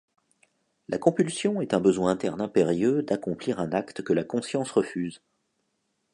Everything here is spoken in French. La compulsion est un besoin interne impérieux d’accomplir un acte que la conscience refuse.